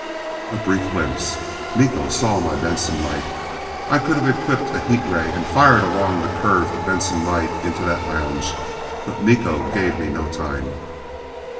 A brief glimpse. Miko saw my Benson light. I could have equipped a heat ray and fired along the curved Benson light into that lounge. But Miko gave me no time.